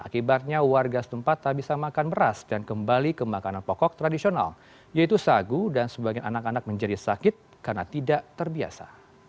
akibatnya warga setempat tak bisa makan beras dan kembali ke makanan pokok tradisional yaitu sagu dan sebagian anak anak menjadi sakit karena tidak terbiasa